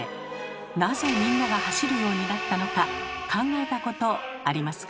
なぜみんなが走るようになったのか考えたことありますか？